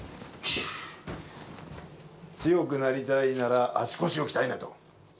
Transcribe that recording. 強くなりたいなら、足腰を鍛えないと。